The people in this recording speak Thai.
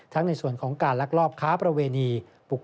ทั้งในส่วนของการลักลอบค้าประเวณีปลุกกลต่างดาว